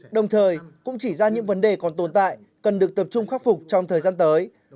đồng thời cũng chỉ ra những vấn đề còn tồn tại cần được tập trung khắc phục trong thời gian tới